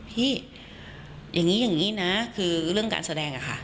พี่อย่างนี้อย่างนี้นะคือเรื่องการแสดงอะค่ะ